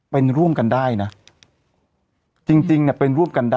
เป็นร่วมกันได้นะจริงเนี่ยเป็นร่วมกันได้